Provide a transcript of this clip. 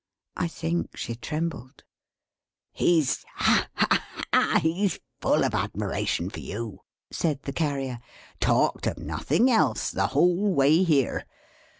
I think she trembled. "He's ha ha ha! he's full of admiration for you!" said the Carrier. "Talked of nothing else, the whole way here.